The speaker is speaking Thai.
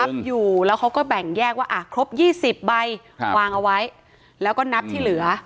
อยู่แล้วเขาก็แบ่งแยกว่าอ่ะครบ๒๐ใบวางเอาไว้แล้วก็นับที่เหลือ